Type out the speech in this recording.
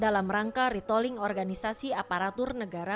dalam rangka retolling organisasi aparatur negara